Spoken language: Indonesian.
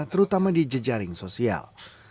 terutama di jejaring sosial